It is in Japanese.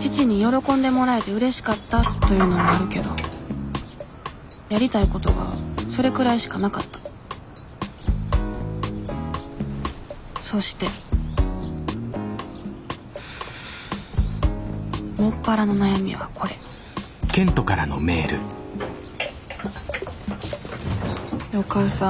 父に喜んでもらえてうれしかったというのもあるけどやりたいことがそれくらいしかなかったそして専らの悩みはこれねえお母さん。